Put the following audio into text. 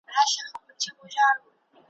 دغو ورېځو هم کتلو ,